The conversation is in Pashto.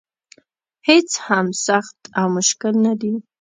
هېڅ څه هم سخت او مشکل نه دي.